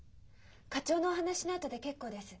課長のお話の後で結構です。